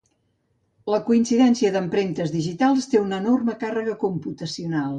La coincidència d'empremtes digitals té una enorme càrrega computacional.